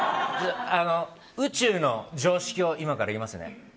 宇宙の常識を今から言いますね。